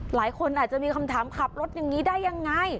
หลายคนอาจจะมีคำถามขับรถอย่างนี้ได้ยังไง